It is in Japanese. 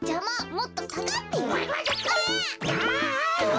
もっとさがってよ。わ！